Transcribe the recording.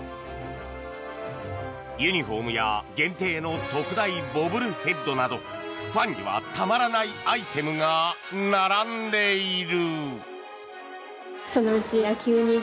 ユニホームや限定の特大ボブルヘッドなどファンにはたまらないアイテムが並んでいる。